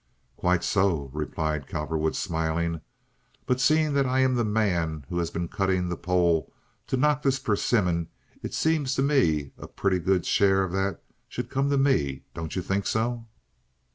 "Quite so," replied Cowperwood, smiling, "but, seeing that I am the man who has been cutting the pole to knock this persimmon it seems to me that a pretty good share of that should come to me; don't you think so?"